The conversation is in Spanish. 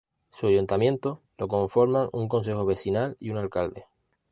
Su Ayuntamiento lo conforman un concejo vecinal y un alcalde.